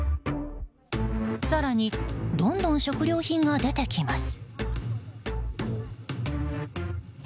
更に、どんどん食料品が出てきます。